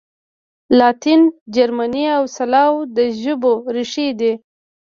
لاتین، جرمني او سلاو د ژبو ریښې دي.